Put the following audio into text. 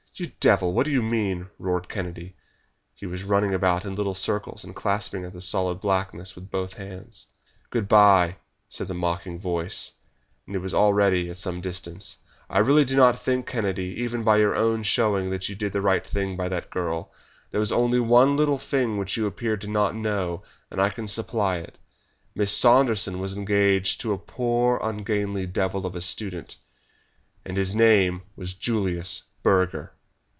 "You devil, what do you mean?" roared Kennedy. He was running about in little circles and clasping at the solid blackness with both hands. "Good bye," said the mocking voice, and it was already at some distance. "I really do not think, Kennedy, even by your own showing that you did the right thing by that girl. There was only one little thing which you appeared not to know, and I can supply it. Miss Saunderson was engaged to a poor ungainly devil of a student, and his name was Julius Burger."